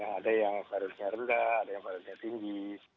ada yang viral nya rendah ada yang viral nya tinggi